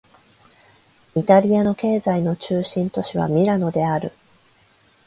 イタリアの経済の中心都市はミラノである